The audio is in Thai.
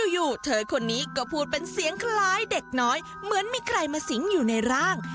อยู่เธอคนนี้ก็พูดเป็นเสียงคล้ายเด็กน้อยเหมือนมีใครมาสิงอยู่ในร่าง